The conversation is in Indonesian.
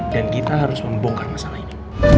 dan kita harus membongkar masalah ini